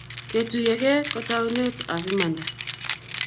ketuiyo Kee ko taubet ab imandaa